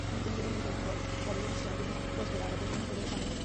তুমি যদি নিবৃত্ত না হও তবে নিশ্চয় তুমি প্রস্তরাঘাতে নিহতদের শামিল হবে।